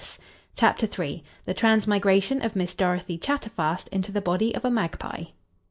CHAP. III. The Transmigration of Miss DOROTHY CHATTERFAST _into the Body of a Magpie.